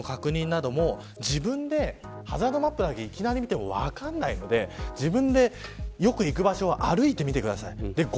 ハザードマップの確認なども自分でハザードマップをいきなり見ても分からないので自分でよく行く場所を歩いてみてください。